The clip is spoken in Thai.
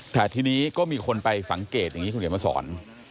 แต่ทีนี้ก็มีคนไปสังเกตอย่างนี้คุณเขียนมาสอน